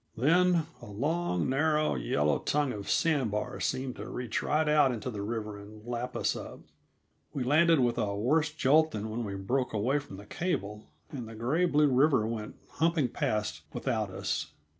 Then, a long, narrow, yellow tongue of sand bar seemed to reach right out into the river and lap us up. We landed with a worse jolt than when we broke away from the cable, and the gray blue river went humping past without us.